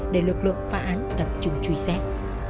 để lực lượng phá án tập trung trùi xét